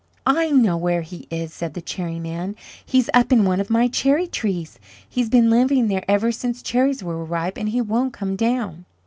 "I know where he is!" said the Cherry man. "He's up in one of my cherry trees. He's been living there ever since cherries were ripe, and he won't come down."